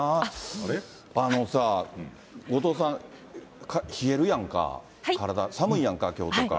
あのさ、後藤さん、冷えるやんか、体、寒いやんか、きょうとか。